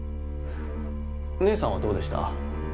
お姉さんはどうでした？